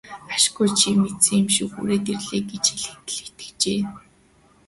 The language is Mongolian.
Ашгүй чи мэдсэн юм шиг хүрээд ирлээ гэж хэлэхэд л итгэжээ.